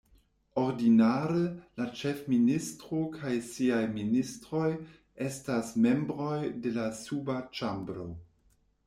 Ordinare, la ĉefministro kaj siaj ministroj estas membroj de la suba ĉambro.